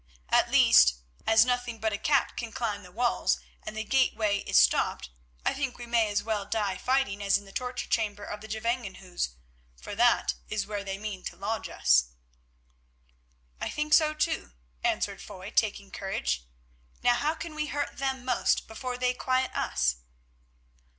At least, as nothing but a cat can climb the walls, and the gateway is stopped, I think we may as well die fighting as in the torture chamber of the Gevangenhuis, for that is where they mean to lodge us." "I think so too," answered Foy, taking courage. "Now how can we hurt them most before they quiet us?"